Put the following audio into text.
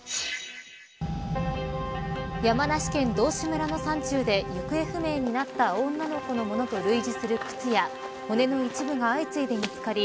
山梨県道志村の山中で行方不明になった女の子のものと類似する靴や骨の一部が相次いで見つかり